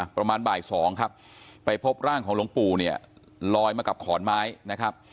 ประมาณบ่ายสองครับไปพบร่างของหลวงปู่เนี่ยลอยมากับขอนไม้นะครับ